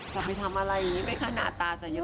จะไปทำอะไรอย่างนี้ไหมค่ะหน้าตาสัญลงค์เลยค่ะ